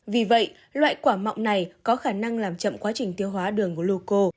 vì vậy loại quả mọng này có khả năng làm chậm quá trình tiêu hóa đường gluco